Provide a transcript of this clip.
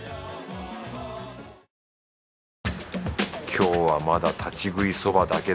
今日はまだ立ち食いそばだけだ。